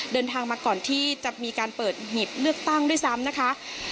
เดินทางมาก่อนที่จะมีการเปิดหีบเลือกตั้งด้วยซ้ำนะคะ